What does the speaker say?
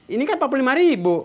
ini kan rp empat puluh lima